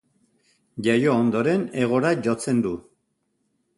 Jaio ondoren, hegora jotzen du.